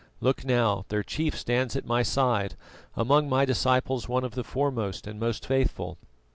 Look now, their chief stands at my side, among my disciples one of the foremost and most faithful.